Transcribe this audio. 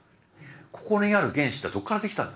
ここにある原子ってどっからできたんだ？